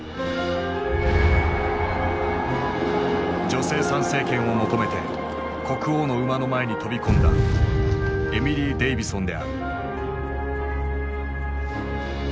女性参政権を求めて国王の馬の前に飛び込んだエミリー・デイヴィソンである。